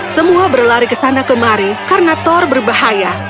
semua berlari ke sana kemari karena thor berbahaya